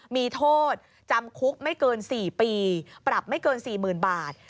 มีโทษจำคุกไม่เกิน๔ปีปรับไม่เกิน๔๐๐๐บาท